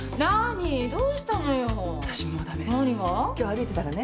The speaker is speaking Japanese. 今日歩いてたらね。